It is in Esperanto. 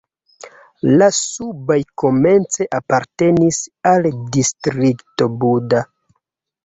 La subaj komence apartenis al Distrikto Buda.